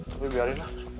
tapi biarin lah